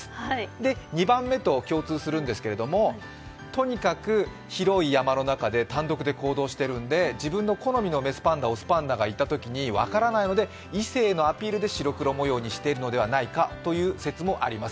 で、２番目と共通するんですけどとにかく広い山の中で単独で行動しているので、自分の好みの雌パンダ、雄パンダがいたときに分からないので異性のアピールで白黒模様にしているのではないかという説もあります。